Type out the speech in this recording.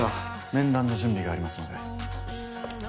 面談の準備がありますので。